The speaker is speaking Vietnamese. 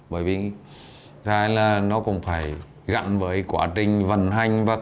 bởi vì ra là nó cũng phải gặn với quá trình vận hành